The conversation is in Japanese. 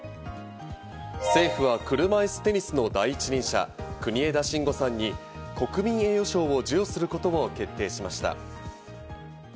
政府は車いすテニスの第一人者・国枝慎吾さんに国民栄誉賞を授与することを決定しました。